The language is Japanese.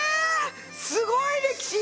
すごい歴史！